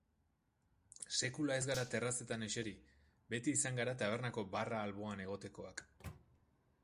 Sekula ez gara terrazetan eseri, beti izan gara tabernako barra alboan egotekoak.